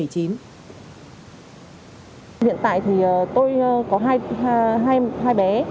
hiện tại thì tôi có hai bé